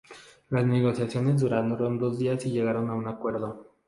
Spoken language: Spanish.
Las negociaciones duraron dos días y llegaron a un acuerdo.